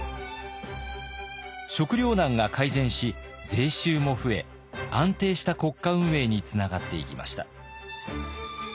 食糧難が改善し税収も増え安定した国家運営につながっていきました。